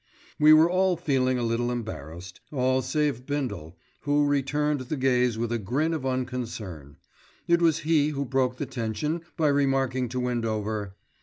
We were all feeling a little embarrassed, all save Bindle, who returned the gaze with a grin of unconcern. It was he who broke the tension by remarking to Windover.